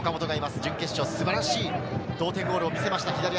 準決勝、素晴らしい同点ゴールを見せました。